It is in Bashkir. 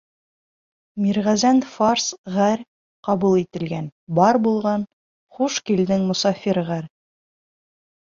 Мирғәзән фарс., ғәр. — ҡабул ителгән, бар булған — хуш килдең Мосафир ғәр.